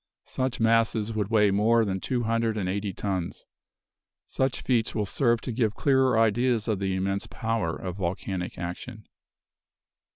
Such masses would weigh more than two hundred and eighty tons. Such feats will serve to give clearer ideas of the immense power of volcanic action.